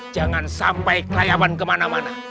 jangan sampai kelayawan kemana mana